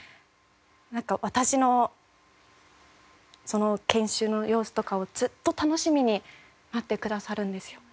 なんか私のその研修の様子とかをずっと楽しみに待ってくださるんですよ。